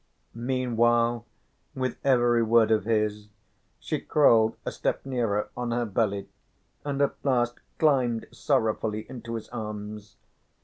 Meanwhile, with every word of his, she crawled a step nearer on her belly and at last climbed sorrowfully into his arms.